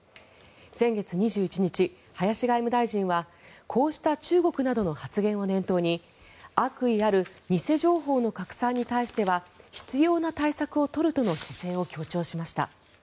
先月２１日、林外務大臣はこうした中国などの発言を念頭に悪意ある偽情報の拡散に対しては必要な対策を取るとの姿勢を強調しました。